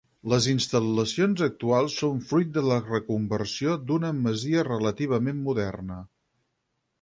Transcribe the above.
Les instal·lacions actuals són fruit de la reconversió d'una masia relativament moderna.